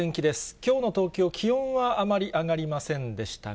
きょうの東京、気温はあまり上がりませんでしたが。